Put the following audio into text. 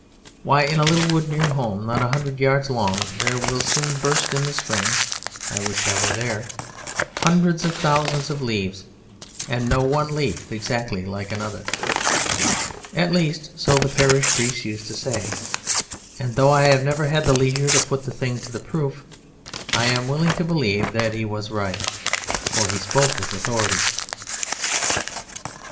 Why, in a little wood near home, not a hundred yards long, there will soon burst, in the spring (I wish I were there!), hundreds of thousands of leaves, and no one leaf exactly like another. At least, so the parish priest used to say, and though I have never had the leisure to put the thing to the proof, I am willing to believe that he was right, for he spoke with authority.